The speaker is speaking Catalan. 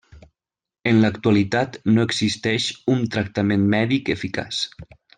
En l'actualitat no existeix un tractament mèdic eficaç.